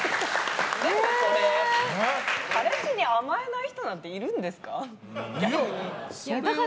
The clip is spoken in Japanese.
彼氏に甘えない人なんているんですか？